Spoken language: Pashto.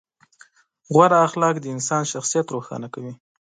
غوره اخلاق د انسان شخصیت روښانه کوي.